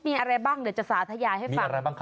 มีอะไรบ้างเดี๋ยวจะสาธยายให้ฟัง